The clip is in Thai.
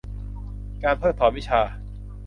การเพิกถอนวิชา